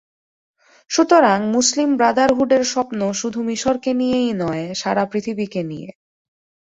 সুতরাং, মুসলিম ব্রাডারহুডের স্বপ্ন শুধু মিসরকে নিয়েই নয়, সারা পৃথিবীকে নিয়ে।